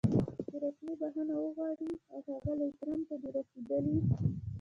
چې رسمي بښنه وغواړي او ښاغلي ټرمپ ته د رسېدلي